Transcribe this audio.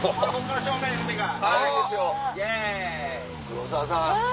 黒沢さん。